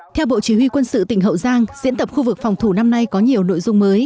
theo bộ chỉ huy quân sự tỉnh hậu giang diễn tập khu vực phòng thủ năm nay có nhiều nội dung mới